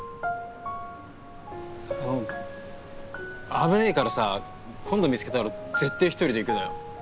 危ねぇからさ今度見つけたらぜってぇ１人で行くなよ。